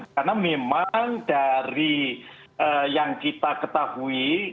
karena memang dari yang kita ketahui